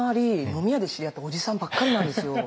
飲み屋で知り合ったおじさんばっかりなんですよ。